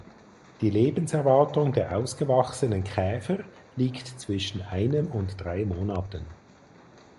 Die Lebenserwartung der ausgewachsenen Käfer liegt zwischen einem und drei Monaten.